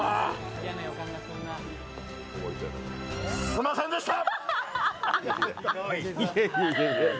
すんませんでした！！